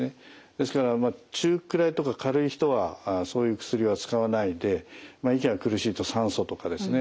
ですから中くらいとか軽い人はそういう薬は使わないで息が苦しいと酸素とかですね